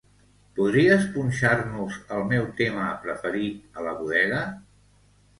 Podries punxar-nos el meu tema preferit a la bodega?